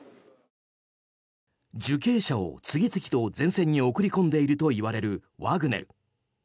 受刑者を次々と前線に送り込んでいるといわれるワグネル。